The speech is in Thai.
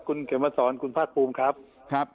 คุณเก๋มาสรกูภาพภูมิครับ